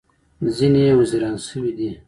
ځینې یې وزیران شوي دي.